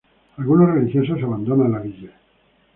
Algunos religiosos abandonan la villa.